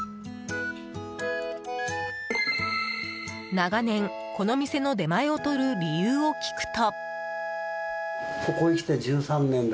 長年、この店の出前をとる理由を聞くと。